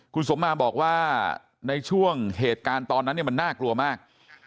คุณสมมาบอกว่าในช่วงเหตุการณ์ตอนนั้นมันน่ากลัวมาก